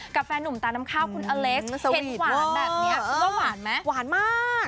แฟนหนุ่มตาน้ำข้าวคุณอเล็กซ์เห็นหวานแบบนี้คุณว่าหวานไหมหวานมาก